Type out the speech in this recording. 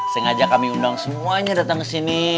sengaja kami undang semuanya datang kesini